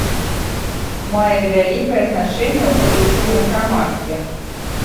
Мае вялікае значэнне ў традыцыйным грамадстве.